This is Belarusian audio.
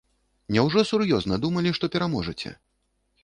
Няўжо сур'ёзна думалі, што пераможаце?